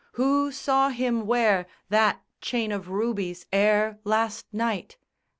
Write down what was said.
Who saw him wear That chain of rubies ere last night?"